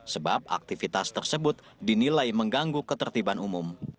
sebab aktivitas tersebut dinilai mengganggu ketertiban umum